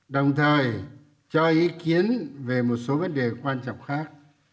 đồng thời cho ý kiến về một số vấn đề quan trọng khác